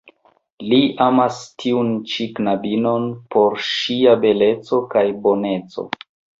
Li amas tiun ĉi knabinon pro ŝia beleco kaj boneco.